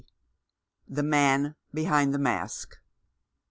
THE MAN BEHIND THE MASK.